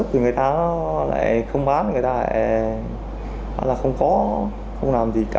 vì mình không